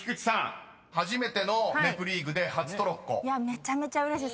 めちゃめちゃうれしい。